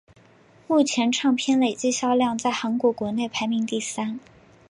目前唱片累计销量在韩国国内排名第三。